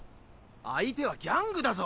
相手はギャングだぞ！？